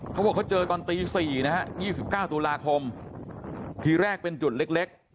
เขาบอกเขาเจอตอนตีสี่นะฮะยี่สิบเก้าตุลาคมทีแรกเป็นจุดเล็ก